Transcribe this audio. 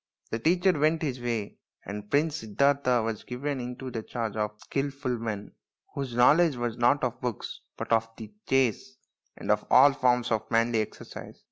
The teacher went his way, and Prince Siddartha was given into the charge of skilful men, whose know ledge was not of books but of the chase and of all forms of manly exercise.